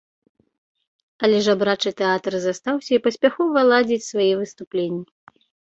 Але жабрачы тэатр застаўся і паспяхова ладзіць свае выступленні.